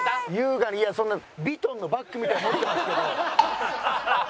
いやそんなヴィトンのバッグみたいに持ってますけど。